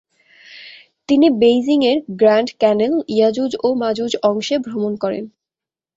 তিনি বেইজিংএর গ্রান্ড ক্যানেল, ইয়াজুজ ও মাজুজ অংশে ভ্রমণ করেন।